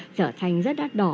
trở thành rất đắt đỏ